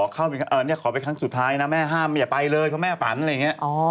อย่าไปเลยเพราะแม่ฝันอะไรอย่างนี้